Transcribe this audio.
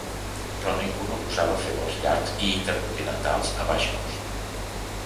Però ningú no gosava fer vols llargs i intercontinentals a baix cost.